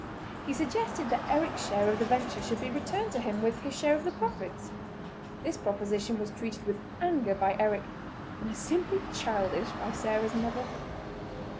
He suggested that Eric's share of the venture should be returned to him with his share of the profits. This proposition was treated with anger by Eric, and as simply childish by Sarah's mother.